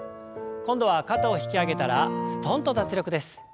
今度は肩を引き上げたらすとんと脱力です。